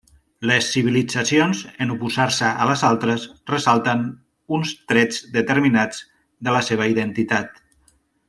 Les civilitzacions, en oposar-se a les altres, ressalten uns trets determinats de la seva identitat.